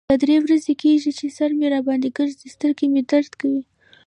دا درې ورځې کیږی چې سر مې را باندې ګرځی. سترګې مې درد کوی.